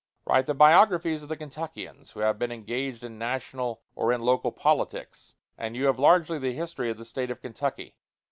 Write the biographies of the Kentuckians who have been engaged in national or in local politics, and you have largely the history of the State of Kentucky.